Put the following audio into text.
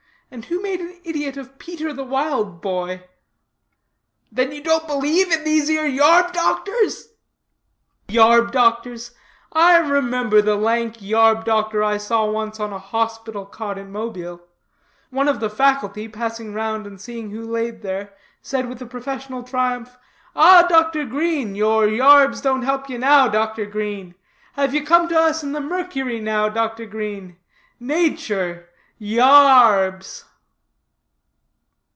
And who made an idiot of Peter the Wild Boy?" "Then you don't believe in these 'ere yarb doctors?" "Yarb doctors? I remember the lank yarb doctor I saw once on a hospital cot in Mobile. One of the faculty passing round and seeing who lay there, said with professional triumph, 'Ah, Dr. Green, your yarbs don't help ye now, Dr. Green. Have to come to us and the mercury now, Dr. Green. Natur! Y a r b s!'"